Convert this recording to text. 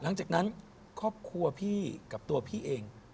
หลังจากนั้นครอบครัวพี่กับตัวพี่เอง